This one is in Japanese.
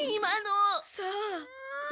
さあ。